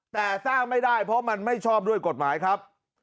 แต่สร้างไม่ได้เพราะมันไม่ชอบด้วยกฎหมายครับ